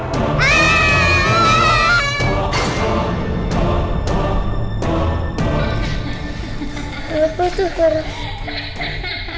kenapa tuh farah